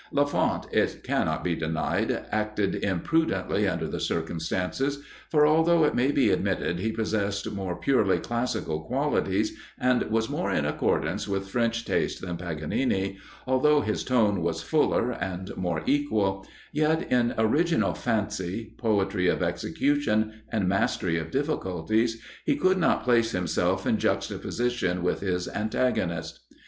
Lafont, it cannot be denied, acted imprudently under the circumstances, for although it may be admitted he possessed more purely classical qualities, and was more in accordance with French taste than Paganini, although his tone was fuller, and more equal, yet, in original fancy, poetry of execution, and mastery of difficulties, he could not place himself in juxtaposition with his antagonist.